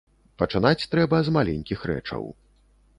Пачынаць трэба з маленькіх рэчаў.